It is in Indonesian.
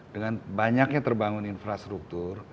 dengan banyaknya terbangun infrastruktur